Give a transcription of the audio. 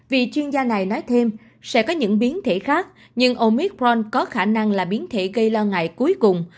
vì chuyên gia này nói thêm sẽ có những biến thể khác nhưng omithront có khả năng là biến thể gây lo ngại cuối cùng